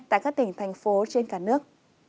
tại các tỉnh thành phố trên cả nước